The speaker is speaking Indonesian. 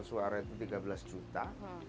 suara itu tiga belas juta